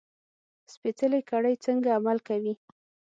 سپېڅلې کړۍ څنګه عمل کوي.